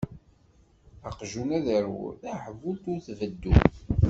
Aqjun ad iṛwu, taḥbult ur tbeddu.